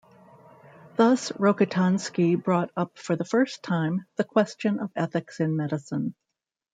Thus Rokitansky brought up for the first time the question of ethics in medicine.